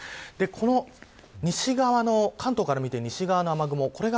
この西側の関東から見て西側の雨雲。